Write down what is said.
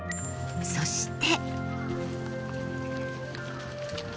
そして。